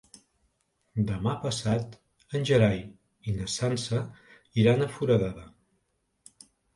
Demà passat en Gerai i na Sança iran a Foradada.